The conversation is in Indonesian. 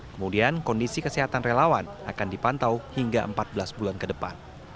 kemudian kondisi kesehatan relawan akan dipantau hingga empat belas bulan ke depan